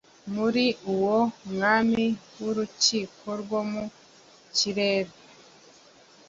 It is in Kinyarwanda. Muri uwo mwami w'urukiko rwo mu kirere